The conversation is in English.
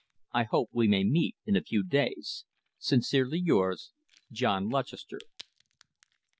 I hope we may meet in a few days. Sincerely yours, JOHN LUTCHESTER.